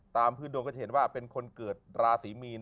ตามพื้นดวงก็จะเห็นว่าเป็นคนเกิดราศีมีน